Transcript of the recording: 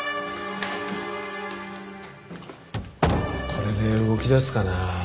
これで動きだすかな？